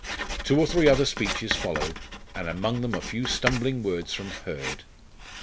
Two or three other speeches followed, and among them a few stumbling words from Hurd.